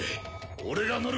俺が乗る。